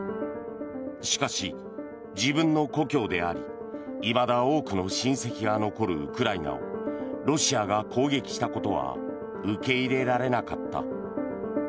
しかし、自分の故郷でありいまだ多くの親戚が残るウクライナをロシアが攻撃したことは受け入れられなかった。